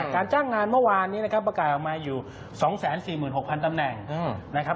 การจ้างงานเมื่อวานนี้ประกาศออกมาอยู่๒๔๖๐๐๐ตำแหน่ง